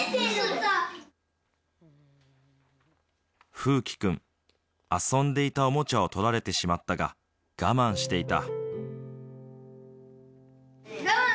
楓希君遊んでいたおもちゃを取られてしまったが我慢していた。